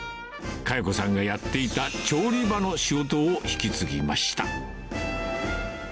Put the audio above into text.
香代子さんがやっていた調理場の仕事を引き継ぎました。